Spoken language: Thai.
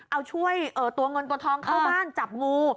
เอาช่วยตัวเงินตัวทองเข้าบ้านจับงู